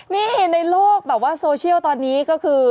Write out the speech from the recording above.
นี่ในโลกแบบว่าโซเชียลตอนนี้ก็คือ